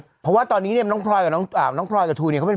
ครับผมเพราะว่าตอนนี้เนี้ยน้องพรอยกับน้องอ่าน้องพรอยกับทูศิราชเขาเป็น